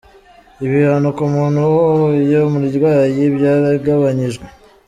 Ibihano ku muntu uhuhuye umurwayi byaragabanyijwe.